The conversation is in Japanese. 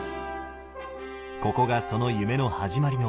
ここがその夢の始まりの場所